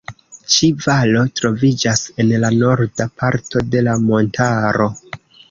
Ĉi valo troviĝas en la norda parto de la montaro.